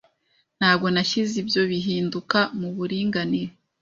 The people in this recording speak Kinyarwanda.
Ntabwo nashyize ibyo bihinduka muburinganire.